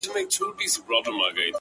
شبنچي زړه چي پر گيا باندې راوښويدی”